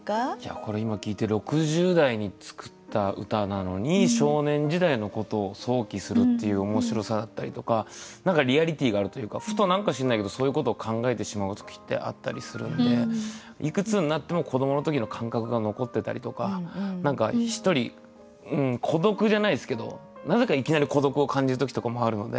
これ今聴いて６０代に作った歌なのに少年時代のことを想起するっていう面白さだったりとか何かリアリティーがあるというかふと何か知らないけどそういうことを考えてしまう時ってあったりするんでいくつになっても子どもの時の感覚が残ってたりとか何か一人孤独じゃないですけどなぜかいきなり孤独を感じる時とかもあるので。